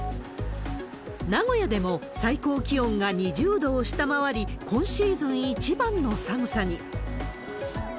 名古屋でも最高気温が２０度を下回り、今シーズン一番の寒さに。